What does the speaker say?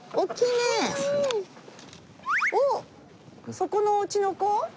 そこのお家の子？